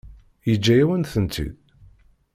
Yeǧǧa-yawen-tent-id?